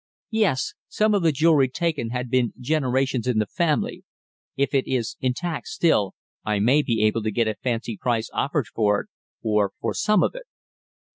"Yes. Some of the jewellery taken had been generations in the family. If it is intact still, I may be able to get a fancy price offered for it, or for some of it."